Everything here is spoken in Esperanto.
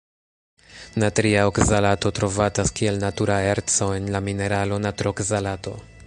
Natria okzalato trovatas kiel natura erco en la mineralo natrokzalato.